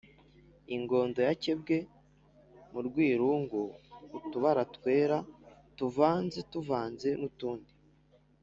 ingondo yakebwe mu rwirungu: utubara twera tuvanze tuvanze n’utundi